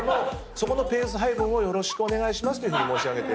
そこのペース配分をよろしくお願いしますと申し上げて。